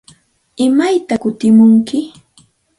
¿Imaytaq kutimunki?